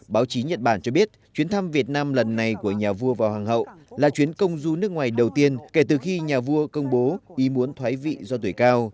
báo chí nhật bản cho biết chuyến thăm việt nam lần này của nhà vua vào hoàng hậu là chuyến công du nước ngoài đầu tiên kể từ khi nhà vua công bố ý muốn thoái vị do tuổi cao